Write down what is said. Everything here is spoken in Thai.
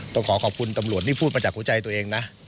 ต้องขอขอบคุณตำรวจนี่พูดมาจากหัวใจตัวเองนะ